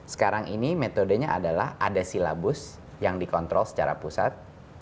sekarang ini metodenya adalah ada silabus yang dikontrol secara pusat